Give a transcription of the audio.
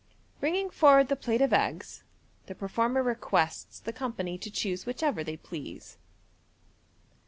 Bringing forward the plate of eggs, the performer requests the company to choose whichever they please.